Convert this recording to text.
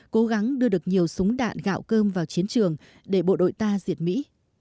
cố gắng đưa được nhiều súng đạn gạo cơm vào chiến trường để bộ đội ta diệt mỹ